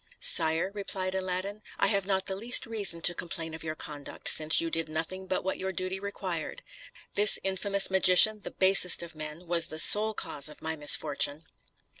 "Sire," replied Aladdin, "I have not the least reason to complain of your conduct, since you did nothing but what your duty required. This infamous magician, the basest of men, was the sole cause of my misfortune."